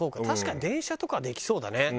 確かに電車とかはできそうだね。